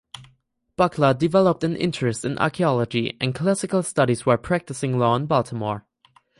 Buckler developed an interest in archaeology and classical studies while practising law in Baltimore.